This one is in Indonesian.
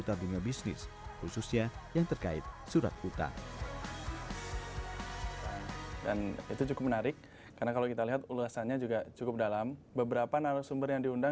karena itu berpikir untuk sesuatu yang berbeda